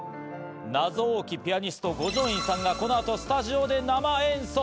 謎多きピアニスト・五条院さんがこの後スタジオで生演奏！